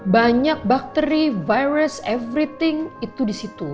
banyak bakteri virus everything itu di situ